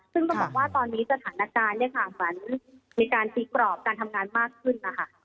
ซึ่งต้องบอกว่าตอนนี้สถานการณ์มีการตีกรอบการทำงานมากขึ้น